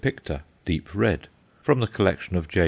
picta_, deep red, from the collection of J.